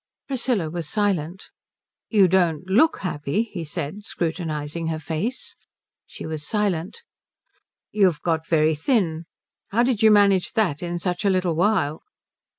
Priscilla was silent. "You don't look happy," he said, scrutinizing her face. She was silent. "You've got very thin. How did you manage that in such a little while?"